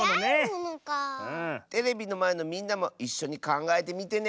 テレビのまえのみんなもいっしょにかんがえてみてね！